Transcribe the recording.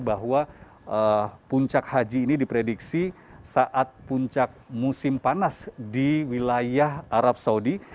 bahwa puncak haji ini diprediksi saat puncak musim panas di wilayah arab saudi